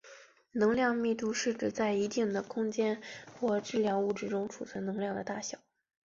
能量密度是指在一定的空间或质量物质中储存能量的大小。